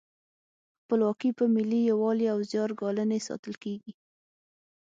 خپلواکي په ملي یووالي او زیار ګالنې ساتل کیږي.